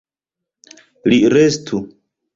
Li restu.